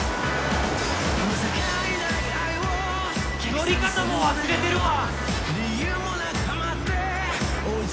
乗り方も忘れてるわ！